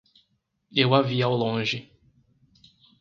Eu a vi ao longe